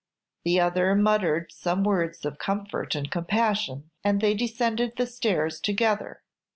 The other muttered some words of comfort and compassion, and they descended the stairs together.